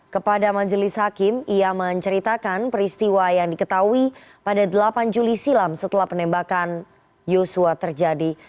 kepada majelis hakim ia menceritakan peristiwa yang diketahui pada delapan juli silam setelah penembakan yosua terjadi